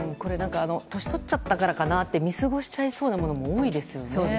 年取っちゃったからかなって見過ごしちゃいそうなものも多いですよね。